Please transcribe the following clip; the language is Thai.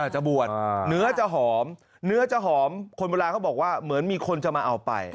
จะบวชเนื้อจะหอมคนโบราณเขาบอกว่าเหมือนมีคนจะมาเอาไป